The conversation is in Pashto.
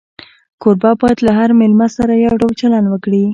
کوربه باید له هر مېلمه سره یو ډول چلند وکړي.